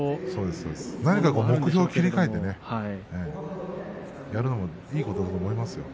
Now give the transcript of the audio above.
何か目標を切り替えてやるのも、いいことだと思いますよ。